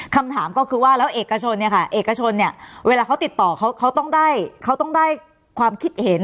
คำถามคือเอกชนเวลาเหตุต่อเขาต้องได้ความคิดเห็น